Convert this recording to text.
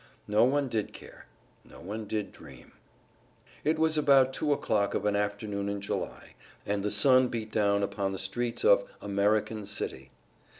No one did care; no one did dream. It was about two o'clock of an afternoon in July, and the sun beat down upon the streets of American City.